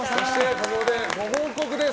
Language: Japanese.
ここで、ご報告です。